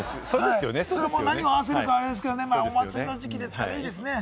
何を合わせるかは、あれですけれども、お祭りの時期です、いいですね。